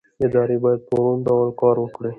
ادارې باید په روڼ ډول کار وکړي